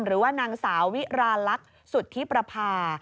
หรือว่านางสาววิราณรักสุธิปรภา